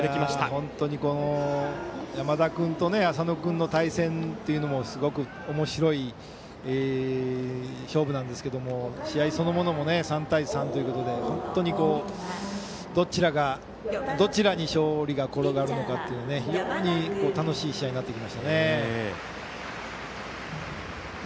本当に山田君と浅野君の対戦というのもすごくおもしろい勝負なんですが試合そのものも３対３ということで本当にどちらに勝利が転がるのか非常に楽しい試合になってきましたね。